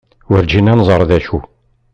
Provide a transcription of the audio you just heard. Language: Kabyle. Werǧin ad nẓer d acu.